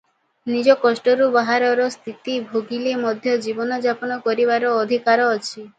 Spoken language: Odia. ନିଜ କଷ୍ଟରୁ ବାହାରର ସ୍ଥିତି ଭୋଗିଲେ ମଧ୍ୟ ଜୀବନଯାପନ କରିବାର ଅଧିକାର ଅଛି ।